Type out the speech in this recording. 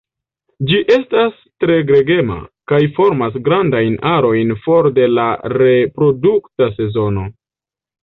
Ĝi estas tre gregema, kaj formas grandajn arojn for de la reprodukta sezono.